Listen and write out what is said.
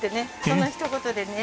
そのひと言でね